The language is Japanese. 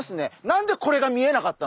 何でこれが見えなかった？